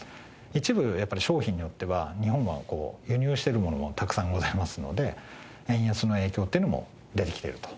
一部やっぱり商品によっては、日本は輸入してるものもたくさんございますので、円安の影響っていうのも出てきていると。